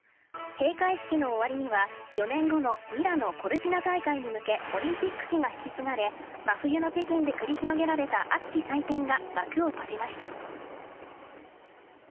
閉会式の終わりには、４年後のミラノ・コルティナ大会に向け、オリンピック旗が引き継がれ、真冬の北京で繰り広げられた熱き祭典が幕を閉じました。